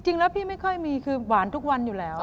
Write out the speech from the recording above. จริงแล้วพี่ไม่ค่อยมีคือหวานทุกวันอยู่แล้ว